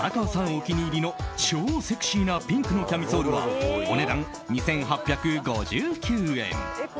お気に入りの超セクシーなピンクのキャミソールはお値段２８５９円。